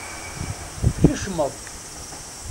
Tkecmeḍ.